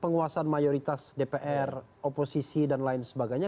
penguasa mayoritas dpr oposisi dan lain sebagainya